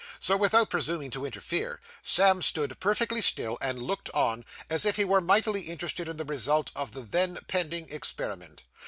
So, without presuming to interfere, Sam stood perfectly still, and looked on, as if he were mightily interested in the result of the then pending experiment.